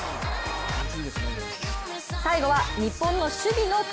最後は日本の守備の要。